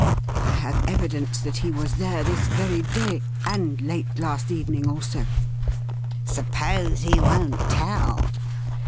I have evidence that he was there this very day, and late last evening also.' ' Suppose he won't tell